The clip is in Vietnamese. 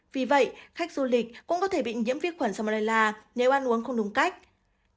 vì vậy khách du lịch cũng có thể bị nhiễm vi khuẩn salmela nếu ăn uống không đúng cách